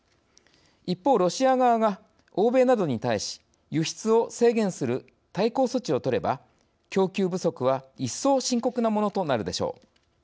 一方、ロシア側が欧米などに対し輸出を制限する対抗措置を取れば供給不足は一層深刻なものとなるでしょう。